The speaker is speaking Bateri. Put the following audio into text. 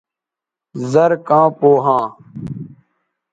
زر کاں پو ھاں